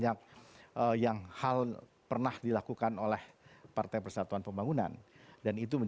jangan lupa untuk berikan duit kepada tuhan